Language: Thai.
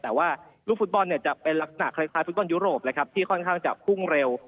แต่ว่าลูกฟุตบอลเนี่ยจะเป็นลักษณะคล้ายฟุตบอลยุโรปนะครับที่ค่อนข้างจะพุ่งเร็ว